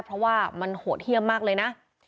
เพราะว่ามันโหดเยี่ยมมากเลยนะ